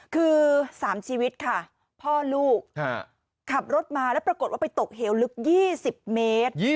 คือ๓ชีวิตค่ะพ่อลูกขับรถมาแล้วปรากฏว่าไปตกเหวลึก๒๐เมตร